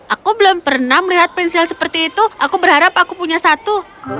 aku belum pernah melihat pensil seperti itu aku berharap aku punya satu